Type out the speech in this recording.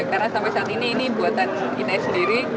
karena sampai saat ini ini buatan kita sendiri